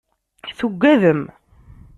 Tuggadem.